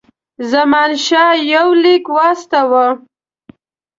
زمانشاه یو لیک واستاوه.